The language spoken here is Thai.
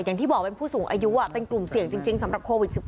อย่างที่บอกเป็นผู้สูงอายุเป็นกลุ่มเสี่ยงจริงสำหรับโควิด๑๙